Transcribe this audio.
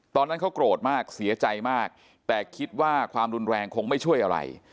ตอนนั้นเขาโกรธมากเสียใจมากแต่คิดว่าความรุนแรงคงไม่ช่วยอะไร